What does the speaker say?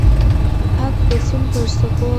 هلک د سیند پر څپو